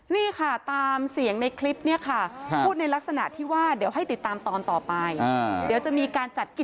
อย่างไรก็ฝากติดตามนะครับผม